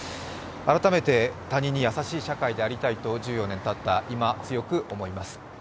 改めて他人に優しい社会でありたいと、１４年たった今、強く思います。